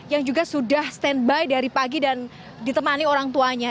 yang juga sudah standby dari pagi dan ditemani orang tuanya